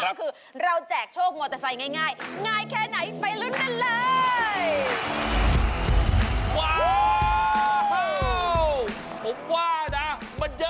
ก็คือเราแจกโชคมอเตอร์ไซค์ง่ายง่ายแค่ไหนไปลุ้นกันเลย